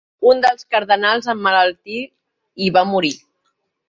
Un dels cardenals emmalaltir i va morir.